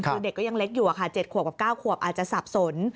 คือเด็กก็ยังเล็กอยู่อะค่ะ๗ขวบกับ๙ขวบอาจจะสับสน